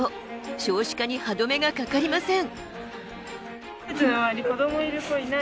少子化に歯止めがかかりません。